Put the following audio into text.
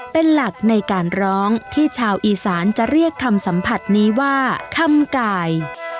เป็นหลักในการร้องที่ชาวอีสานจะเรียกคำสัมผัสนี้ว่าคำกาย